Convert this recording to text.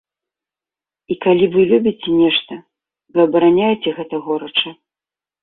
І калі вы любіце нешта, вы абараняеце гэта горача.